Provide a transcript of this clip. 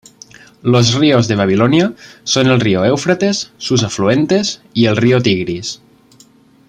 Los ríos de Babilonia son el río Eufrates, sus afluentes, y el río Tigris.